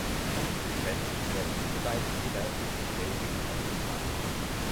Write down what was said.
Getrennt werden diese beiden Täler durch den felsigen Ostgrat.